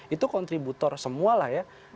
itu kontributor semua lah ya